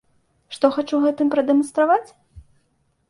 Што хачу гэтым прадэманстраваць?